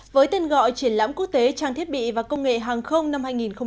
với tên gọi triển lãm quốc tế trang thiết bị và công nghệ hàng không năm hai nghìn một mươi chín